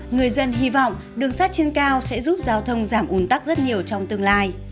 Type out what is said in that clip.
người dân hy vọng đường sát trên cao sẽ giúp giao thông giảm ủn tắc rất nhiều trong tương lai